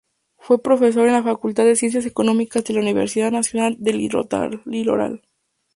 Fue profesor en la Facultad de Ciencias Económicas de la Universidad Nacional del Litoral.